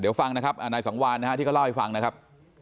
เดี๋ยวฟังนะครับนายสังวานนะฮะที่เขาเล่าให้ฟังนะครับ